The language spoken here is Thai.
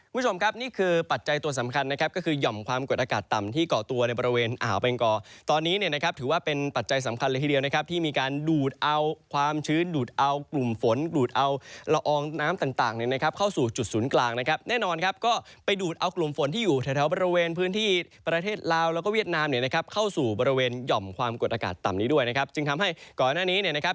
เป็นอาวบังกอตอนนี้นะครับถือว่าเป็นปัจจัยสำคัญทีเดียวนะครับที่มีการดูดเอาความชื้นดูดเอากลุ่มฝนดูดเอาละอองน้ำต่างเข้าสู่จุดศูนย์กลางนะครับแน่นอนครับก็ไปดูดเอากลุ่มฝนที่อยู่แถวบริเวณพื้นที่ประเทศลาวแล้วก็เวียดนามเข้าสู่บริเวณหย่อมความกดอากาศต่ำนี้ด้วยนะครับจึงทำ